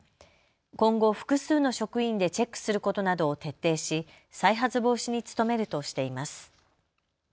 今後、複数の職員でチェックすることなどを徹底し再発防止に努めるとしています。